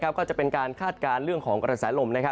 ก็จะเป็นการคาดการณ์เรื่องของกระแสลม